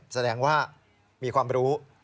แสดงว่ามีความรู้